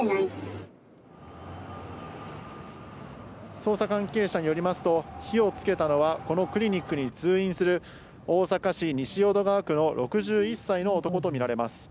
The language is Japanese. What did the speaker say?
捜査関係者によりますと、火をつけたのはこのクリニックに通院する大阪市西淀川区の６１歳の男とみられます。